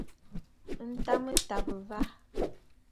Ntame tabe va.